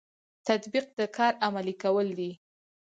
تطبیق د کار عملي کول دي